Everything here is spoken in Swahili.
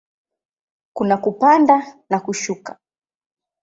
Kuna kupanda na kushuka.